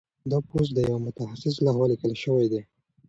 دا پوسټ د یو متخصص لخوا لیکل شوی دی.